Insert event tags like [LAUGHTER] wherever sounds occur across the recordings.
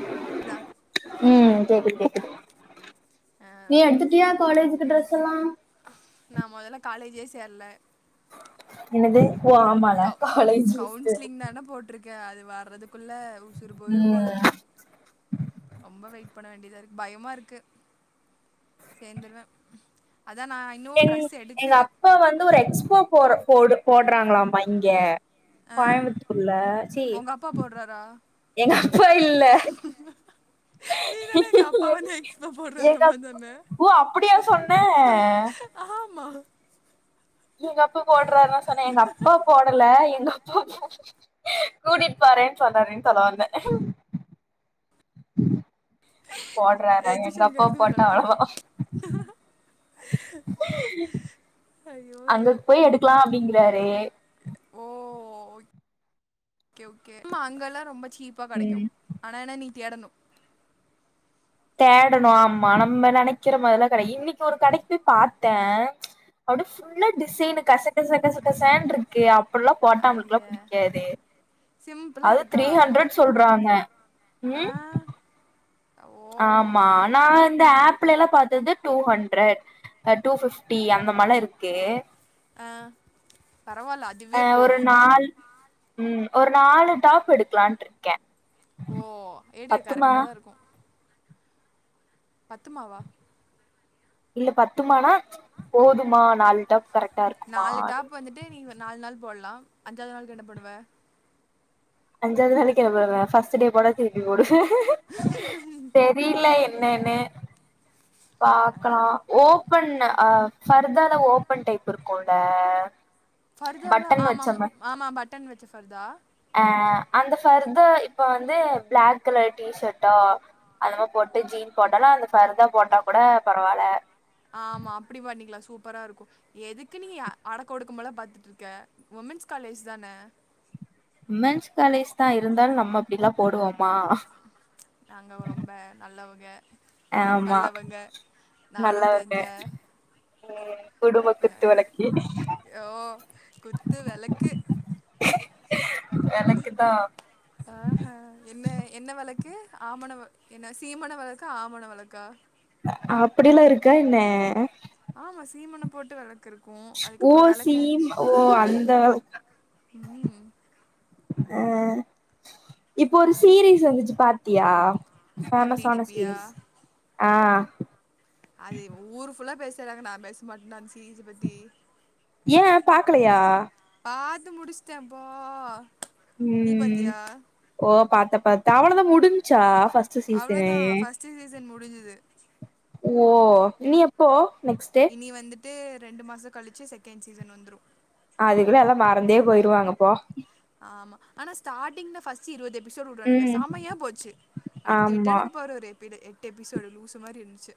Black ரா உம் கேக்குது கேக்குது ஆ நீ எடுத்துட்டியா காலேஜுக்கு ட்ரெஸ் எல்லா நா முதல்ல காலேஜே சேர்ல என்னது ஒ ஆமால்ல நா என போட்ருக்கே அது வர்றதுக்குள்ளவ் உசுர் போய்ரும் போல ம் ஒம்ப வெய்ட் பண்ண வேண்டியதாருக் பயமா இருக்கு சேர்ந்துருவே அதா நாய் எங் எங்க அப்பா வந்து ஒரு எக்ஸ்போ போர போடு போட்றாங்ளாம் மய்ங்க ஆ கோயம்புத்தூர்ல ச்சி உங்கள் அப்பா போட்றாரா எங்க அப்பா இல்ல நீ தானே எங்க அப்பாவ [UNINTELLIGIBLE] எக்ஸ்போ எங்க அப்பா போடுறாராமான்னு சொன்னே ஓ அப்படியா சொன்ன அஹாமா எங்கப்பா போட்றாரா சொன்னே எங்கப்பா போடல எங்கப்பா [INAUDIBLE] கூட்டிட் போறேன் சொன்னாரேன் சொல்ல வந்தே போட்றாரே எஜுகேஷனுக்கு எங்கப்பா எதுக்கு தூரி போட்டா ஆடுவா அவ்வா அஹ் ஐயோ அங்கு ஐயோ போய் எடுக்கலா அப்டிங்கிறாரே ஓ ஓய் கே ஓகே அம்மா அங்கல்லாம் ரொம்ப ச்சீப்பா படைக்கு ம் ஆனா என்ன நீ தேடனு தேடணு ஆமா நம்ம நெனக்கிற மாரில்லா கடை இன்னிக் ஒரு கடைக் போய் பாத்தே அட சிம்ளர் டிசைனு கச கச கச கசன்ட்டுருக்கு கே அப்பல்லாம் போட்டா அவங்களுக்குல்லா ஐய புடிக்காது சிம்பிளாக அது இருக்கா த்ரீ ஹண்ட்ரட் சொல்றாங்க ஆ ம் ஓ ஆமா அனா இந்த ஆப்ல எல்லாம் பாத்தது டூ ஹண்ட்ரட் டூ ஃபிப்டி அந்த மலாம் இருக்கு ஆ பரவாயில்ல அ அ ஒரு நால் ம் ஒரு நாலு டாப் எடுக்கலான்ட்டு இருக்கேன் ஓ எடு கரெக்டா தான் இருக்கும் பத்து மாவா இல்ல பத்து மானா போதுமா ம்ச் நாலு டாப் கரெக்டாருக்குமா அப் இப்ப வந்துட்டு நீங்க நாள் நாள் போட்லாம் அஞ்சாது நாள்க்கு என்ன பன்னுவ அஞ்சாவது நாளை என்ன போடன்னா ஃர்ஸ்ட் டே போடத திருப்பி போடு பிளாக் வீட்ல என்னன்னு ஆ பாக்கலாம் ஓபன் ஆ ஃபர்தால ஓபன் டைப் இருக்கும்ல ஃபர்தால ஆமாம் ஆமா பட்டன் வச்ச ஃபர்தா அ அந்த ஃபர்தர இப்ப வந்து பிளாக் கலர் டி ஷர்ட்டா அந்தம போட்டு ஜீன் போட்டாலும் அந்த ஃபர்தா போட்டா கூட பரவால ஆமா அப்படி பண்ணிக்கலா சூப்பரா இருக்கும் எதுக்கு நீ அடக்க ஒடுக்கம்லா பாத்துட்டுருக்க உமென்ஸ் காலேஜ் தான உமென்ஸ் காலேஜ் தான் இருந்தாலும் நம்ம அப்படிலாம் போடுவோமா நாங்க ரொம்ப நல்லவங்க ஆமா வல்லவங்க நாளும் நல்லவங்க தெரிஞ்ச ம் குடும்ப குத்து வெளக்கு ஓ குத்து வெளக்கு வெளக்கு தான் ஆ ஹா என்ன என்ன வெளக்கு ஆமண என்ன சீமண வெளக்கா ஆமண வெளக்கா அப்படிலாம் இருக்கா என்ன ஆமா சீமனம் போட்டு வெளக்குருக் ஓ சீம் ஓ அந்த ம் அ இப்போ ஒரு சீரீஸ் வந்துச்சு பாத்தியா எம் டி ஃபேமஸ் டி ஆன பி யா சீரீஸ் ஆ அது ஊரு ஃபுல்லா பேசுறாங்க நான் பேச மாட்னா அந்த சீரீஸ் அ பத்தி ஏன் பாக்கலையா பாத் முடிச்ட்டேன்ப்பா நீ ம் பாத்தியா ஓ பாத்த பாத்த அவ்ளதான் முடிஞ்ச்சா ஃபர்ஸ்ட் சீசனு அவ்வளோதான் ஃபர்ஸ்ட் சீசன் முடிஞ்சுது ஓ நீ எப்போ நெக்ஸ்ட் நீ வந்துட்டு ரெண்டு மாசம் கழிச்சு செகண்ட் சீசன் வந்துரும் அதுக்குள்ள எல்லாம் மறந்தே போயிருவாங்க போ ஆமா ஆனா ஸ்டார்டிங்ல ஃர்ஸ்ட் ச்சி இருபது எபிசோடு் உடுரானுங்க ம் சாமையா போச்சு அடுத்து ஆமா விட்டனுக்கு பாரு ஒரு பிது எட்டு எபிசோடு லூசு மாரி இருந்ச்சு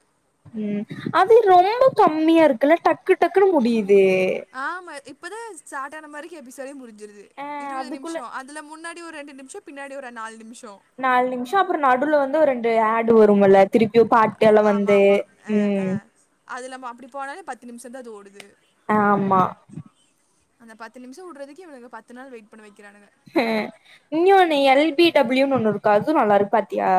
ம் அது ரொம்ப கம்மியா இருக்குல்ல டக்கு டக்குன்னு முடியுது ஆமா இப்பதான் சாட்டான மாரிக்கு எபிசோடே முடிஞ்சிருது ஆ இருபது அதுக்குள்ள நிமிஷம் அதுல முன்னா டி ஒரு ரெண்டு நிமிஷோம் பின்னாடி ஒரு நாலு நிமிஷோம் நாலு நிமிஷ அப்பறோ நடுல வந்து ஒரு ரெண்டு ஆடு வரும்ல திருப்பியு பாட் டெல்லா ஆமா வந்து ஆமா அஹ் ம் அஹ் அது நம்ம அப்டி போனாலே பத்து நிமிஷந்தா அது ஓடுது ஆமா அந்த பத்து நிமிஷ விடறதுக்கு இவளுக பத்து நாள் வெயிட் பண்ண வைக்கிறானுங்க ஆ இங்னொன்னு எல் பி டபிள்யூன்னு ஒண்ணு இருக்கு அதுவு நல்லாருக்கு பாத்தியா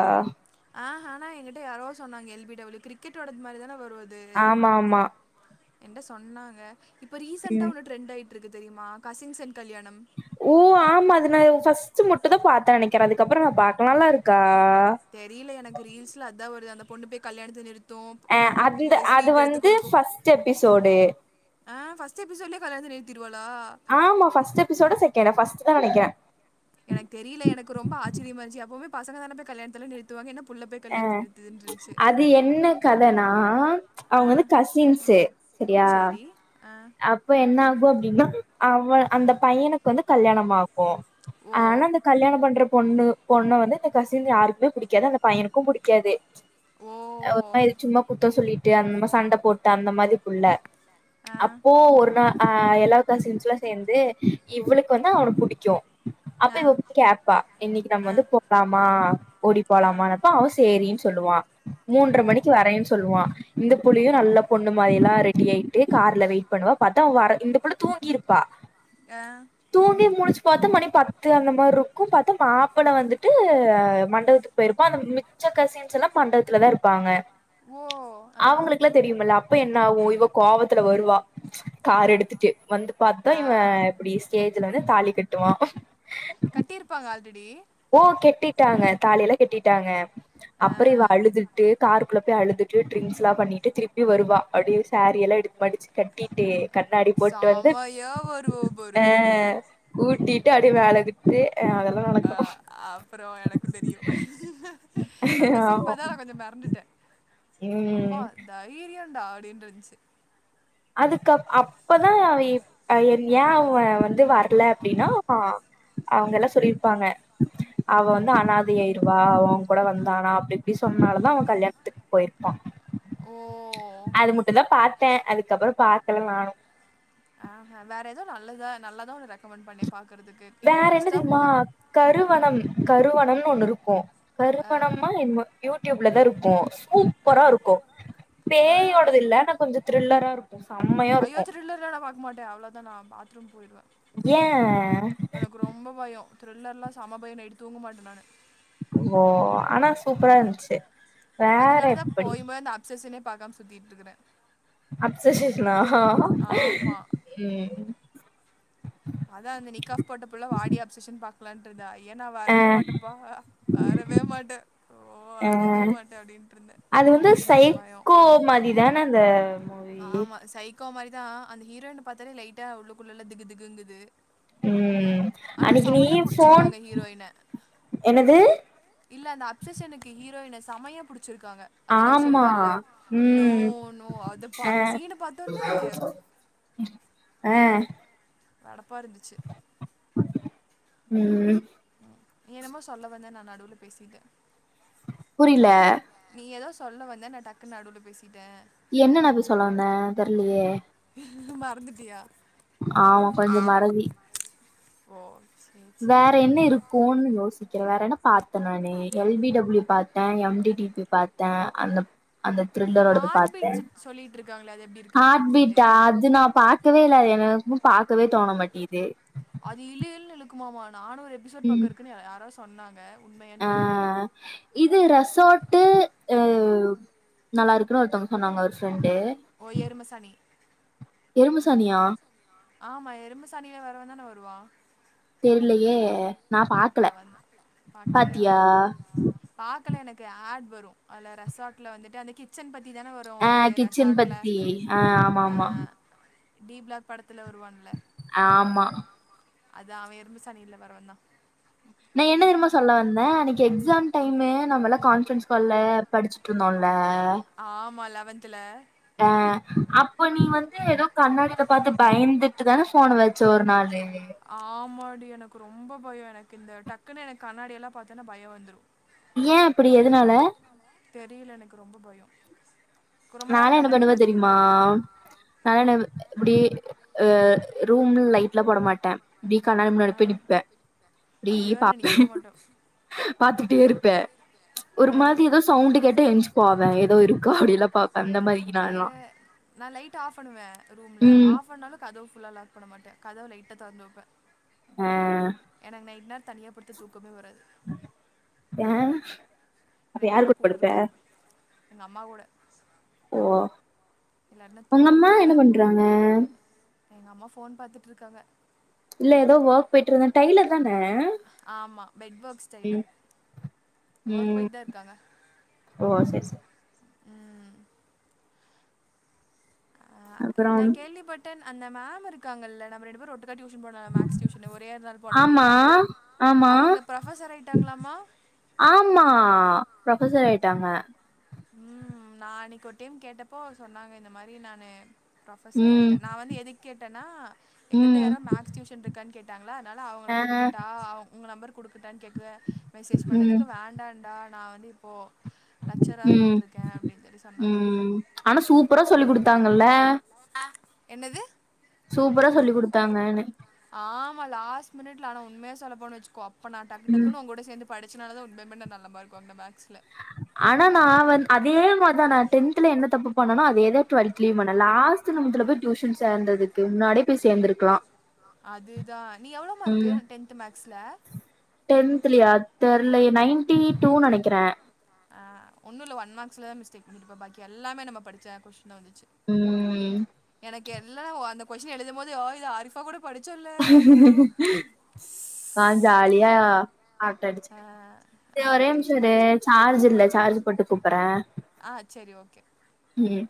ஆ ஆனா என்கிட்ட யாரோ சொன்னாங்க எல் பி யூ கிரிக்கெட் ஓட மாரிதான வரு அது ஆமா ஆமா ஏன்ட சொன்னாங்க இப்ப ரீசண்டா ம் ஒன்னு ட்ரெண்ட் ஆய்ட்டுருக்கு தெரியுமா கசின்ஸ் அன் கல்யாணம் ஓ ஆமா அத நா பைர்ஸ்ட்டு மட்டுதா பாத்தே நெனைக்கிறே அதுக்கப்பற நா பாக்கல நல்லாருக்கா தெரியல எனக்கு ரீல்ஸ்ல அதா வருது அந்த பொண்ணு போய் கல்யாணத்த நிறுத் டு அ அந்த அது ஸ்வீட் எடுத்து வந்து குடுக்கு ஃபர்ஸ்ட் எபிசோடு ஆ ஃபர்ஸ்ட்டு எபிசோட்லயே கல்யாணத்த நிறுத்திடுவாளா ஆமா ஃபர்ஸ்ட்டு எபிசோட செக் கே ஃபர்ஸ்ட்டுதா நெனைக்கிறே எனக்கு தெரியல எனக்கு ரொம்ப ஆச்சரியமா இருஞ்ச்சு எப்பவுமே பசங்க தான போய் கல்யாணத்த நிறுத்துவாங்க என்ன புள்ள பெத் அ அது என்ன கதன்னா அவங்க வந்து ஆ கசின்ஸு சரி ஆ அப்போ என்னாகு அப்படின்னா அவ அந்த பையனுக்கு வந்து கல்யாணம் ஆகு ஓ ஆனா அந்த கல்யாணம் பண்ற பொண்ணு பொண்ணை வந்து இந்த கசின் யாருக்குமே புடிக்காது அந்த பையனுக்கு புடிக்காது ஓ ஒரு மாரி சும்மா ஒரு குத்த சொல்லிட்டு சும்மா சண்ட போட்டுட்டு அந்த மாரி புள்ள ஆ இப்போ ஒரு நாள் ஆ எல்லா காசின்ஸுலா சேந்து இவ்வளுக்கு வந்து அவன புடிக்கு அப்ப ஆ இவ கேப்பா இன்னைக்கு நம்ம ஆ வந்து போலாமா ஓடி ஆ போலாமானப்பா அவ சேரின்னு சொல்லுவா மூண்ர ஓ மணிக்கு வரன்னு சொல்லுவா இந்த புள்ளையு நல்ல பொண்ணு மாரில்லா ரெடி ஆயிட்டு கார்ல வெயிட் பண்ணுவா பாத்தா வர இந்த புள்ள தூங்கியிருப்பா ஆ தூங்கி முழிச்சு பாத்த மணி பத்து அந்த மாருக் கு பாத்தா மாப்பிளை வந்துட்டு ஆ மண்டபத்துக்கு போய்ருப்பா அந்த மிச்ச கசின்ஸ்ல்லா மண்டபத்துல தா இருப்பாங்க ஓ ஆ தெரியுமல அப்ப என்னாகு இவ கோவத்துல வருவா ஆ கார் எடுத்துட்டு வந்து பாத்தா இவ ஆ இப்டி ஸ்டேஜ்ல வந்து தாலி கட்டுவா கட்டியிருப்பாங்க ஆல்ரெடி ஓ கெட்டிட்டாங்க தாலி எல்லா கெட்டிட்டாங்க அப்பற இவ அழுதுட்டு காருக்குள்ள போய் அழுதுட் டு ட்ரிங்ஸ் எல்லா பண்ணிட்டு திருப்பி வருவா அப்டியே சாரிய எல்லா எடுத்து மடிச்சு கட்டிட்டு கண்ணாடி போட்டு வந்து செமையா வருவோம் ஆ பாரு ஊட்டிட்டு அப்டியே மேல விட்டு அ அதெல்லா நடக்கு அப்பறோ எனக்குந் தெரியு அந்த சீன் ஆமா பாத்தா நா கொஞ்ச மெறண்டுட்டே அப்பா ம் தைரியம்டா அப்டினு இருந்துச்சு அதுக்கப் அப்பதா அவ எ என் ஏ அவ வந்து வரல அப்டின்னா அவங்கல்லா சொல்லியிருப்பாங்க அவ வந்து அனாதையாயிருவா. அவ கூட வந்தானா அப்டி இப்டி சொன்னாலதா அவ கல்யாணத்துக்கு போயிருப்பா ஓ அது மட்டுந்தா பாத்தே அதுக்கப்பறோ பாக்கல நானு ஆ வேற ஏதோ நல்லதா நல்லாதா ரெக்கமெண்ட் பண்ணி பாக்குறதுக்கு வேற என்ன இன்ட்ரெஸ்ட்டா தெரியுமா போனு கருவணம் கருவணம்னு ஒண்ணு இருக்கு ஆ கருவணம்மா என் யூடியூப்ல தான் இருக்கு ஆ சூப்பரா இருக்கு ஆ பேயோடது இல்ல கொஞ்சோ த்ரில்லரா இருக்கு செம்மையா இருக்கு போக்க மாட்டே அவ்வளோ தா நான் பாத்ரூம் போயிடுவே ஏன் எனக்கு ரொம்ப பயோ த்ரில்லர் எல்லா செம பயோ நைட்டு தூங்க மாட்டே நானு ஓ ஆனா சூப்பரா இருந்ச்சு வேற எப்படி செசினே பார்க்காம சுத்திட்டு இருக்குறே அப்சசேஷனாஹ ஆமா உ அத அந்த நிக்காப் போட்டபள்ள வாடி அப்ஸ்சஷன் பா [UNINTELLIGIBLE] என்னா ஆ வரவே மாட்டேன்ப்பா வரவே மாட்டே ஓ ஆ அறவே மாட்டே அப்படின்ட்டு இருந்தே அது வந்து எனக்கு பயோ சைகோ ஏன அந்த ஆமா சைகோ மாதிரிதா அந்த ஹீரோயின பாத்தாலே லைட்டா உள்ளுக்குள்ளல்ல திகு திகுங்குது ம் ஆனா அன்னைக்கு நீ செமயா ஃபோன் புடிச்சிருக்காங்க ஹீரோயின என்னது இல்ல அந்த அப்சஸ்னுக்கு ஹீரோயின செமயா பிடிச்சிருக்காங்க அதுல அவ ஆமா சொல்லுவாலழ நோ ம் நோ அத பாத் அந்த சீன பார்த்தோனே ஆ கடுப்பா இருந்துச்சு உ நீ ஏனமோ சொல்ல வந்த நான் நடுவுல பேசிட்டே புரியல நீ ஏதோ சொல்ல வந்த நா டக்கு நடுல பேசிட்டே என்னன்னா அ போயி சொல்ல வந்தே தெருலையே மறந்துடீயா ஆமா கொஞ்சோ மறதி ஓ சேரி சேரி வேற என்ன ம்ஹும் இருக்கும்னு யோசிக்கிறே வேற என்ன பார்த்தேன் நானு எல்பிடபிள்யு நா எம்டிடிவி பாார்த்தே அந்த அந்த த்ரில்லரோடது ஹார்ட் பார்த்தே பீட் சொ [UNINTELLIGIBLE] ஹார்ட் பீட்டு பீட்டா அது நா பார்கவே இல்லா என பார்கவே தோண மாட்டேது அது இழு இழுல்னு இழுக்குமாமா நானூறு எபிசோட் பக்கோ இருக்குன்னு யாரோ சொன்னாங்க உண்மையான்னு ஆஹ் இது ரஸ் சோட்டு நல்லாருக்குன்னு ஒருத்தவங்க சொன்னாங்க ஒரு ஃப்ரெண்டு ஓ எருமசானி எறும்பு சாணியா ஆமா எரும சானில வரவே தான வருவா தெர்லயே நா பாக்கல அவன் தான் பாக்லையா பாத்தியா ஆஹ் பாக்கல எனக்கு ஆட் வரு அதுல ரெசார்ட்ல வந்துட்டு அன்னக்கி சச்சன் பத்தி தான வரு ஆ ஒரு கிச்சன் ரெசாட்ல பத்தி ஆ ஆமா ஆமா ஆஹ்ன் டீ பிளாக் படத்துல வருவான்ல ஆமா அது அவ எரும சானில வரவந்தா. நா என்ன தெரிமா சொல்ல வந்தே அன்னிக்கு எக்ஸாம் டைமு நம்மெல்லா கான்ஃப்ரன்ஸ் கால்ல படிச்சிட்ருந்தோல்ல. ஆமா லெவன்த்துல அ அப்போ நீ வந்து எதோ கண்ணாடில பாத்து பயந்து ட்டுதான ஃபோன வெச்ச ஒரு நாளு. ஆமாடி எனக்கு ரொம்ப பயோ எனக்கு இந்த டக்குனு எனக் கண்ணாடி எல்லா பாத்தேன்னா பய வந்துரு. ஏ அப்பிடி எதுனால? தெரல எனுக்கு ரொம்பொ பயோ. நாலா என்ன பண்ணுவே தெரிமா மாட்டேன் நாலா ம் என்னபு இப்புடி அ ரூம்ல் லைட்லா போட மாட்டே. இப்டி கண்ணாடி முன்னாடி ஆ போய் நிப்பே இப்டி ஐயோ நான் பாப்பே. நிற்கவே மாட்டேன் பாத்துகிட்டே என்ன இருப்பே ஆ ஒரு மாதி எதோ ஸ் சவுண்டு கேட்டா எஞ்ச்சி போவே எதோ இருக்கா அப்டி எல்லா பாப்பே அந்த மாரி. அ ஏ நான்லா நா லைட்ட ஆஃப் பண்ணுவே ரூம்ல ம் ஆஃப் பண்ணாலு கதவு ஃபுல்லா லாக் பண்ண மாட்டே கதவ லைட்டா தொறந்து வெப்பே. ம். எனக் நைட்னா தனியா படுத்தா தூக்கமே வராது. ஏ? எனக்கு யாரோ கூட இருக்கணு. எங்க அம்மா கூட ஓ இல்லாட்டினா உங்க அம்மா என்ன பண்றாங்க? எங்க அம்மா ஃபோன் பாத்துட்ருக்காங்க. இல்ல எதோ ஒக் போயிட்ருந்த டைலர் தான. ஆமா பெட்வக்ஸ் ம் டைலர். ஒக் ம் போயிட்தா இர்க்காங்க. ஓ செர் செ. ம். அ இ நா அப்புறம் கேள்விப்பட்டன் அந்த மேம் இருக்காங்கல்ல நம்ம ரெண்டு பேரு ஒட்டு தா டியூஷன் போனல மேக்ஸ் டியூஷனு ஒரே ஒரு நாள் போனமில்ல ஆமா ஆமா அவுங்க ப்ரஃபசர் ஆயிட்டாங்ளாம்மா? ஆம்மா ப்ரஃபசர் ஆயிட்டாங்க. ம் நா அன்னிக்கு ஒரு டைம் கேட்டப்போ சொன்னாங்க இந்த மாரி நானு ப்ரொஃபசர் ம் ஆயிட்ட நா வந்து எதுக் கேட்டேன்னா எங்கிட்ட ம் யாரோ மேத்ஸ் டியூஷன்ரு க்கான் கேட்டாங்களா அதனால அவுங்கள ஆ குடுக்கட்டா அவ உங்க நெம்பர் குடுக்கட்டான் கேக்கத மெசேஜ் ம் பண்ணதுக்கு வேண்டான்டா நா வந்து இப்போ ம் சொன்னாங்க ம் ஆனா சூப்பரா சொல்லி குடுத்தாங்கல்ல. என்னது? சூப்பரா சொல்லி குடுத்தாங்கனே. ஆமா லாஸ் மினிட்ல ஆனா உண்மையா சொல்ல போணு வெச்சுக்கோ அப்ப நா டக்கு ம் டக்குனு உங் கூட சேந்து படிச்சனால தா உண்மையாமே நா நல்ல மார்க் வாங்னே மேக்ஸ்ல. ஆனா நா வந் அதே மார்தா நா டென்த்ல என்ன தப்பு பண்ணனோ அ தேதா டுவெல்த்லியு பண்ணே லாஸ்ட் நிமித்துல போய் டியூசன் சேந்ததுக்கு முன்னாடியே போய் சேந்துருக்லா. அதுதா நீ எவ்ளோ மார்க்கு டென்த்து மேக்ஸ்ல? டென்த்லியா தெர்லயே நைன்டி டூ நெனக்கிறே. ஆ ஒன்னு இல்ல ஒன் மாக்ஸ்லதா மிஸ்டேக் [UNINTELLIGIBLE] பாக்கி எல்லாமே நம்ம படிச்ச கொஸ்டின் தா வந்துச்சு. ம். எனக்கு எல்லா உ அந்த கொஸின் எழுதும் போது அ இது அரிஃபா கூட படிச்சோல்ல ஓ ஆ ஜாலியா அரட்ட அடிச்சு ஆ ஏ ஒரே நிம்ஷ அர்த்தடிச்சு இரு படிச்சு சார்ஜ் இல்ல சார்ஜ் போட்டு கூப் புட்றே ஆ சேரி ஓகே ம்